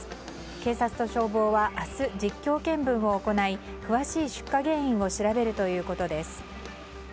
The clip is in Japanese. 警察と消防は明日、実況見分を行い詳しい出火原因を調べるということです。